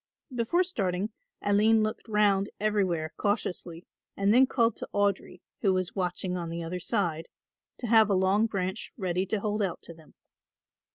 Before starting Aline looked round everywhere cautiously and then called to Audry, who was watching on the other side, to have a long branch ready to hold out to them.